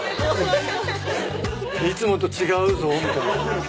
いつもと違うぞみたいな。